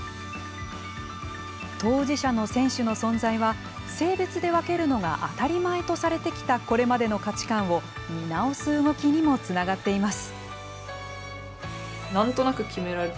当事者の選手の存在は性別で分けるのが当たり前とされてきたこれまでの価値観を見直す動きにもつながっています。